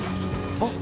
・あっ！！